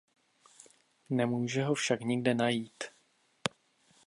Nemůže ho však nikde najít.